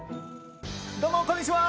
どうもこんにちは！